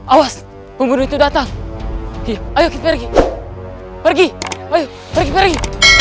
awas pembunuh itu datang ayo pergi pergi pergi pergi